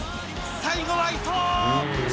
最後は伊東。